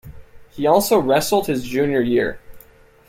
He also wrestled his junior year.